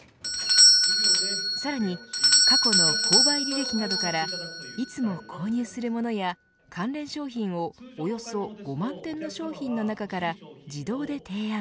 さらに過去の購買履歴などからいつも購入するものや関連商品を、およそ５万点の商品の中から自動で提案。